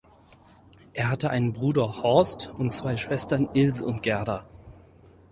Er hatte einen Bruder, Horst, und zwei Schwestern, Ilse und Gerda.